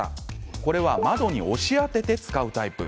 これは窓に押し当てて使うタイプ。